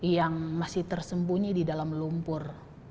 yang masih tersembunyi di dalam lumpur